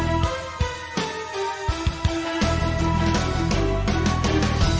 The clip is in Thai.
ก็ไม่น่าจะดังกึ่งนะ